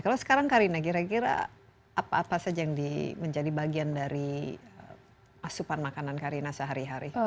kalau sekarang karina kira kira apa apa saja yang menjadi bagian dari asupan makanan karina sehari hari